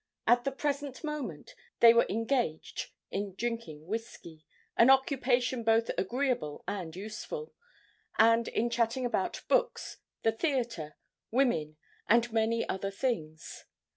At the present moment they were engaged in drinking whisky, an occupation both agreeable and useful, and in chatting about books, the theater, women and many other things.